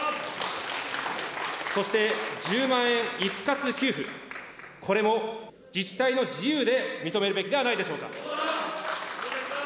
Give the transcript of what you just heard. そして１０万円一括給付、これも自治体の自由で認めるべきではないでしょうか。